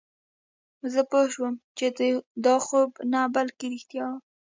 زه پوه شوم چې دا خوب نه بلکې رښتیا وه